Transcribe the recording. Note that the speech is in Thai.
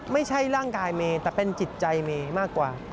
ไม่ใช่ร่างกายเมย์แต่เป็นจิตใจเมย์มากกว่า